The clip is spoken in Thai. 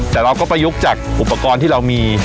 แต่เราก็ประยุกต์จากอุปกรณ์ที่เรามี